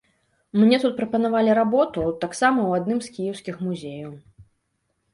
Мне тут прапанавалі работу, таксама ў адным з кіеўскіх музеяў.